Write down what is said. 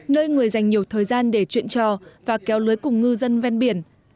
nơi người dành nhiều thời gian để chuyện trò và kéo lưới cùng ngư dân ven biển